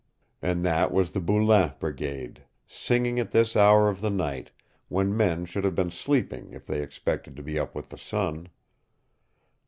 And that was the Boulain Brigade singing at this hour of the night, when men should have been sleeping if they expected to be up with the sun.